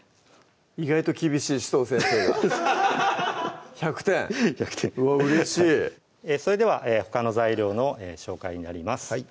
意外と厳しい紫藤先生が１００点うわうれしいそれではほかの材料の紹介になります